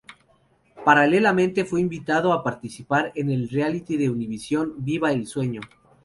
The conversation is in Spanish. Paralelamente, fue invitado a participar en el reality de Univisión "¡Viva el sueño!